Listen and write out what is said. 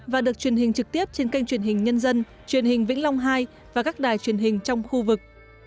chương trình sẽ được tiếp trên kênh truyền hình nhân dân truyền hình vĩnh long hai và các đài truyền hình trong khu vực